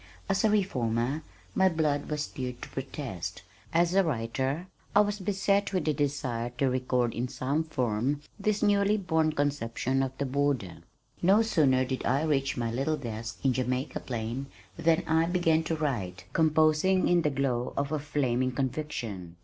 As a reformer my blood was stirred to protest. As a writer I was beset with a desire to record in some form this newly born conception of the border. No sooner did I reach my little desk in Jamaica Plain than I began to write, composing in the glow of a flaming conviction.